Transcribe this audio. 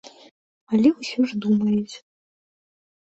Але ўсё ж думаюць.